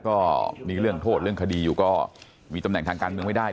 ก็มีเรื่องโทษเรื่องคดีอยู่ก็มีตำแหน่งทางการเมืองไม่ได้